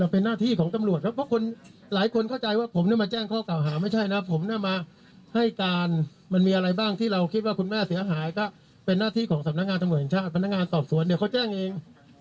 เป็นหน้าที่ของสำนักงานธรรมบุญชาติพนักงานตอบสวนเดี๋ยวเขาแจ้งเอง